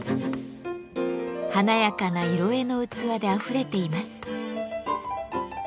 華やかな色絵の器であふれています。